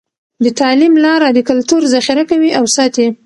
د تعلیم لاره د کلتور ذخیره کوي او ساتي.